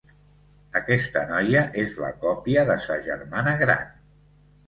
Aquesta noia és la còpia de sa germana gran.